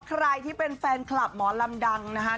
ใครที่เป็นแฟนคลับหมอลำดังนะคะ